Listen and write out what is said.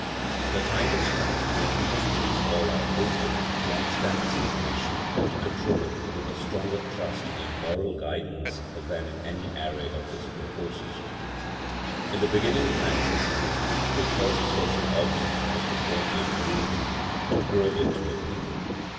The time has come when we must use all our wisdom to understand the situation, and to control it, with a stronger trust in moral guidance than in any array of physical forces. In the beginning of man's history his first social object was to form a community, to grow into a people.